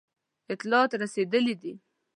اطلاعات رسېدلي دي.